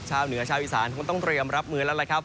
ชาวเหนือชาวอีสานคงต้องเตรียมรับมือแล้วล่ะครับ